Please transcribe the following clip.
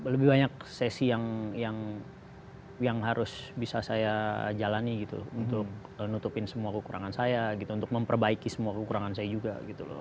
lebih banyak sesi yang harus bisa saya jalani gitu untuk nutupin semua kekurangan saya gitu untuk memperbaiki semua kekurangan saya juga gitu loh